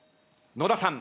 野田さん